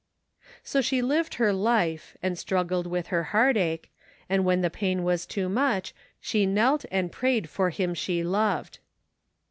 So she lived her life, and struggled with her heart ache, and when the pain was too much she knelt and prayed for him she loved.